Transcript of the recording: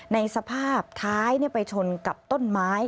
ในสภาพท้ายไปชนกับต้นไม้